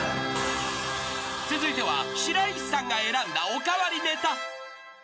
［続いては白石さんが選んだお代わりネタ］